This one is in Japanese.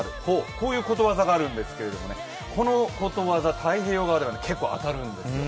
こういうことわざがあるんですけれどもこのことわざ、太平洋側では結構当たるんです。